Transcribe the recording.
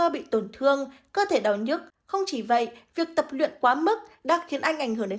bị tổn thương cơ thể đau nhức không chỉ vậy việc tập luyện quá mức đã khiến anh ảnh hưởng đến